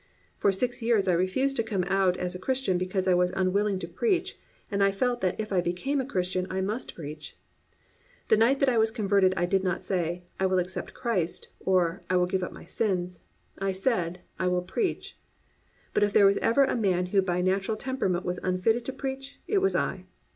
For six years I refused to come out as a Christian because I was unwilling to preach, and I felt that if I became a Christian I must preach. The night that I was converted I did not say, "I will accept Christ" or "I will give up my sins"; I said, "I will preach." But if there was ever a man who by natural temperament was unfitted to preach, it was I.